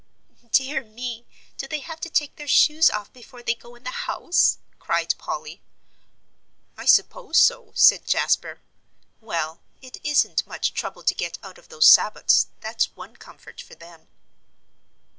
"Dear me, do they have to take their shoes off before they go in the house?" cried Polly. "I suppose so," said Jasper. "Well, it isn't much trouble to get out of those sabots, that's one comfort for them."